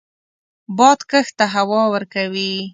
باد کښت ته هوا ورکوي